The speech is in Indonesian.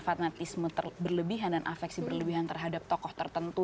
fanatisme berlebihan dan afeksi berlebihan terhadap tokoh tertentu